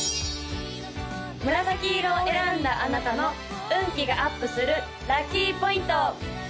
紫色を選んだあなたの運気がアップするラッキーポイント！